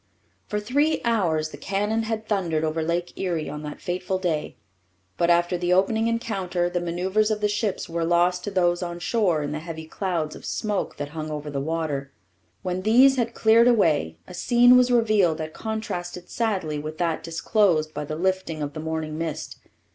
For three hours the cannon had thundered over Lake Erie on that fateful day, but, after the opening encounter, the manoeuvres of the ships were lost to those on shore in the heavy clouds of smoke that hung over the water. When these had cleared away, a scene was revealed that contrasted sadly with that disclosed by the lifting of the morning mist.